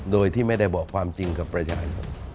โดยที่ไม่ได้บอกความจริงกับประชาชน